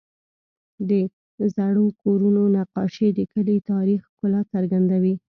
د زړو کورونو نقاشې د کلي تاریخي ښکلا څرګندوي.